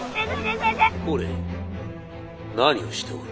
「これ何をしておる？」。